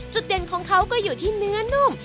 เด่นของเขาก็อยู่ที่เนื้อนุ่ม